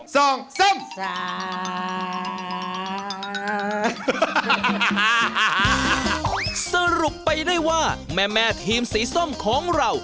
สรุปไปได้ว่าแม่แม่ทีมสีส้มของเรา